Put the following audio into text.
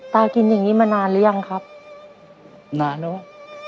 ตากินอย่างนี้มานานหรือยังครับนานแล้ว